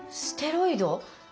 ステロイド？